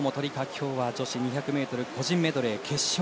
今日は女子２００ｍ個人メドレー決勝。